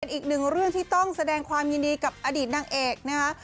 อีกหนึ่งเรื่องที่ต้องแสดงความยินดีกับอดีตนางเอกนะคะ